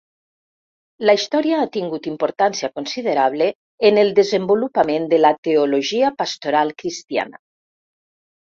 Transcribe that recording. La història ha tingut importància considerable en el desenvolupament de la teologia pastoral cristiana.